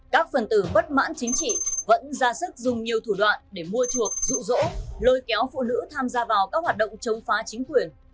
các phần tử bất mãn chính trị vẫn ra sức dùng nhiều thủ đoạn để mua chuộc rụ rỗ lôi kéo phụ nữ tham gia vào các hoạt động chống phá chính quyền